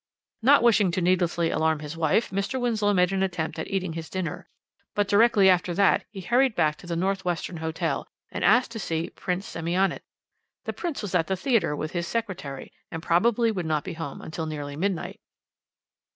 "Not wishing to needlessly alarm his wife, Mr. Winslow made an attempt at eating his dinner, but directly after that he hurried back to the North Western Hotel, and asked to see Prince Semionicz. The Prince was at the theatre with his secretary, and probably would not be home until nearly midnight.